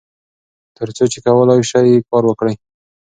تر څو چې کولای شئ کار وکړئ.